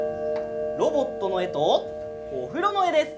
ロボットのえとおふろのえです！